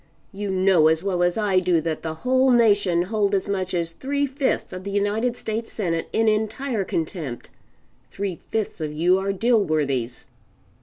You know as well as I do that the whole nation hold as much as three fifths of the United States Senate in entire contempt. Three fifths of you are Dilworthys."